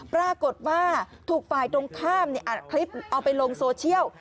ปรากฏว่าถูกฝ่ายตรงข้ามออกไปลงโซเชียล